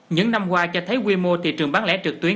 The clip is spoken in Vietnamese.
những năm qua cho thấy quy mô thị trường bán lẻ trực tuyến